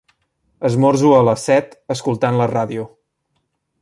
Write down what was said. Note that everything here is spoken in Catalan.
Esmorzo a les set, escoltant la ràdio.